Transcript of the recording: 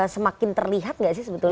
semakin terlihat nggak sih sebetulnya